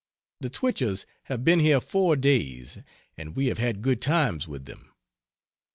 The Twichell's have been here four days and we have had good times with them.